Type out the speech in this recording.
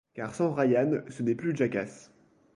Car sans Ryan ce n'est plus Jackass.